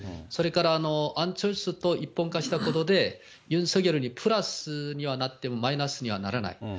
それからアン・チョルスと一本化したことで、ユン・ソギョルにプラスにはなっても、マイナスにはならない。